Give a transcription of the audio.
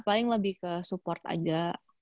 paling lebih ke support aja